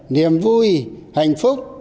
niềm vui hạnh phúc